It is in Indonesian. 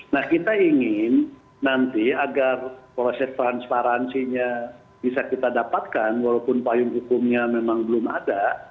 nah kita ingin nanti agar proses transparansinya bisa kita dapatkan walaupun payung hukumnya memang belum ada